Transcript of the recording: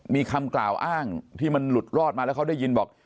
มีคำกล่าวอ้างที่มันหลุดรอดมาแล้วเขาได้ยินบอก